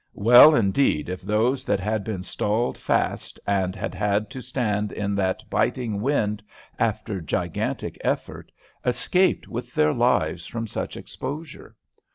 Well, indeed, if those that had been stalled fast, and had had to stand in that biting wind after gigantic effort, escaped with their lives from such exposure.